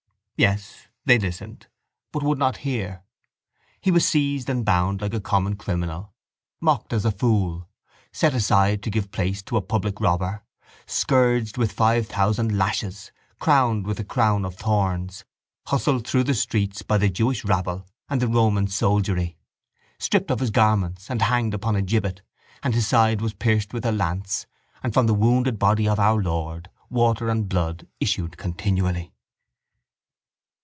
Yes, they listened but would not hear. He was seized and bound like a common criminal, mocked at as a fool, set aside to give place to a public robber, scourged with five thousand lashes, crowned with a crown of thorns, hustled through the streets by the jewish rabble and the Roman soldiery, stripped of his garments and hanged upon a gibbet and His side was pierced with a lance and from the wounded body of our Lord water and blood issued continually.